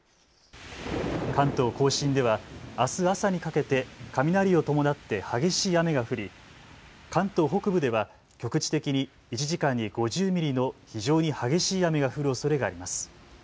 関東甲信では、あす朝にかけて雷を伴って激しい雨が降り関東北部では局地的に１時間に５０ミリの非常に激しい雨が降るおそれがあります。